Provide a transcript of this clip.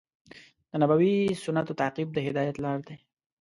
د نبوي سنتونو تعقیب د هدایت لار دی.